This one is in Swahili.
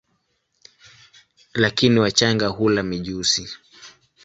Lakini wachanga hula mijusi.